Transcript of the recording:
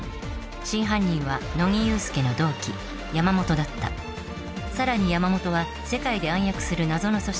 真犯人は乃木憂助の同期山本だったさらに山本は世界で暗躍する謎の組織